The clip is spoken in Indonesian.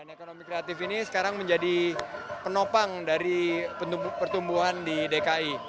ekonomi kreatif ini sekarang menjadi penopang dari pertumbuhan di dki